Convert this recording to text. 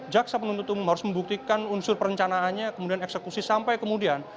jaksa penuntut umum harus membuktikan unsur perencanaannya kemudian eksekusi sampai kemudian